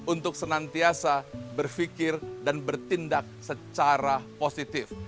untuk senantiasa berfikir dan bertindak secara positif